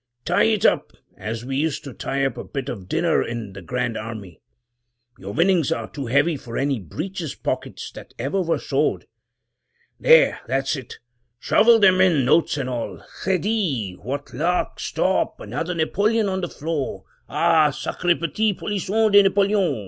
"Tie it up, as we used to tie up a bit of dinner in the Grand Army; your winnings are too heavy for any breeches pockets that ever were sewed. There! that's it — shovel them in, notes and all! Credie! what luck! Stop! another napoleon on the floor! Ah! sacre petit polisson de Napoleon!